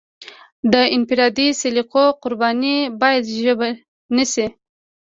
د انفرادي سلیقو قرباني باید ژبه نشي.